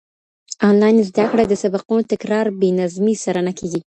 انلاين زده کړه د سبقونو تکرار بې نظمۍ سره نه کيږي.